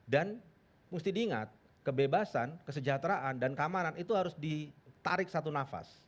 dan mesti diingat kebebasan kesejahteraan dan keamanan itu harus ditarik satu nafas